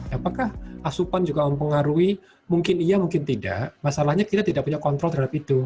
ketika penyakit mengalami penyakit masalahnya kita tidak memiliki kontrol terhadap itu